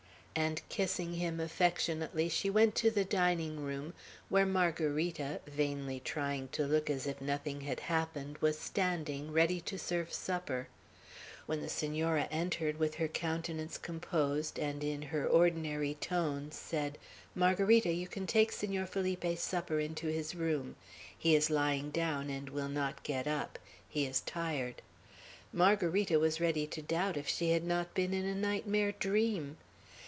And kissing him affectionately, she went to the dining room, where Margarita, vainly trying to look as if nothing had happened, was standing, ready to serve supper. When the Senora entered, with her countenance composed, and in her ordinary tones said, "Margarita, you can take Senor Felipe's supper into his room; he is lying down, and will not get up; he is tired," Margarita was ready to doubt if she had not been in a nightmare dream.